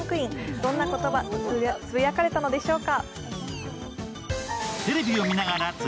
どんなことがつぶやかれたのでしょうか。